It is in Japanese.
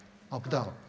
ダウン。